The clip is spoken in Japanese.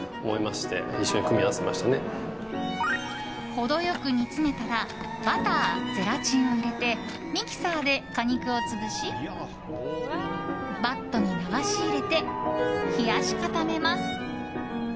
程良く煮詰めたらバター、ゼラチンを入れてミキサーで果肉を潰しバットに流し入れて冷やし固めます。